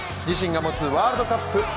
自身が持つワールドカップ